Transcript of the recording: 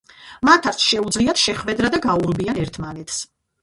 მათ არ შეუძლიათ შეხვედრა და გაურბიან ერთმანეთს.